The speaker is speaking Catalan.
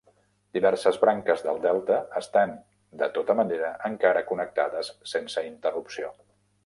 Diverses branques del delta estan, de tota manera, encara connectades sense interrupció.